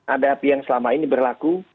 adab yang selama ini berlaku